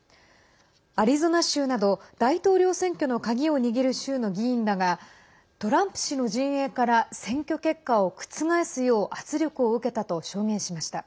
アリゾナ州など、大統領選挙の鍵を握る州の議員らがトランプ氏の陣営から選挙結果を覆すよう圧力を受けたと証言しました。